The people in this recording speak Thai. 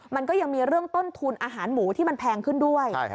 มันก็ยังมีเรื่องต้นทุนอาหารหมูที่มันแพงขึ้นด้วย